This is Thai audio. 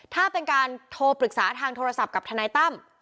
ถ้าเป็นการโทรปรึกษาทางโทรศัพท์กับทนายตั้ม